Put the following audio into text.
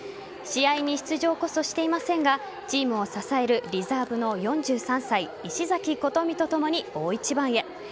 試合に出場こそしていませんがチームを支えるリザーブの４３歳石崎琴美とともに大一番へ。